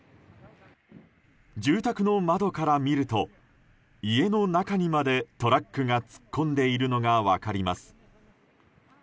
住宅の窓から見ると家の中にまでトラックが突っ込んでいるのが分かります。